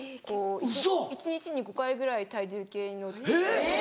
一日に５回ぐらい体重計に乗って。